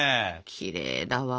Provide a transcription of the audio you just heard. きれいだわ。